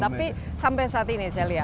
tapi sampai saat ini